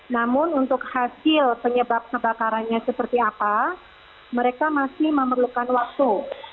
namun untuk hasil penyebab kebakarannya seperti apa mereka masih memerlukan waktu